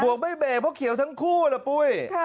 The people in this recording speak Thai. วกไม่เบรกเพราะเขียวทั้งคู่นะปุ้ย